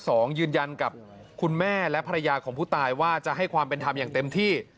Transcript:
ยืนยันกับคุณแม่และภรรยาของผู้ตายว่าจะให้ความเป็นธรรมอย่างเต็มที่